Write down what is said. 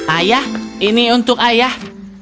ayah ini untuk ayah